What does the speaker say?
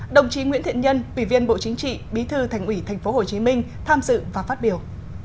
đồng chí nguyễn thiện nhân ủy viên bộ chính trị bí thư thành ủy tp hcm tham dự và phát biểu